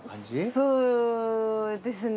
そうですね。